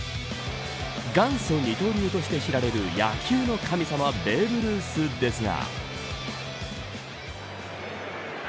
元祖二刀流として知られる野球の神様ベーブ・ルースですが。